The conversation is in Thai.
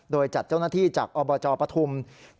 โดยจัดเจ้าหน้าที่จากอบจปฐุม